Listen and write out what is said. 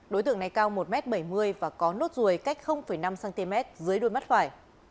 đối tượng này cao một m bảy mươi và có nốt ruồi cách năm cm dưới đuôi mắt phải